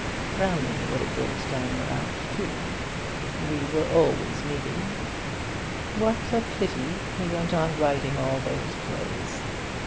Browning was a great diner out, too. We were always meeting. What a pity he went on writing all those plays!